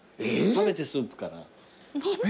食べてスープかも。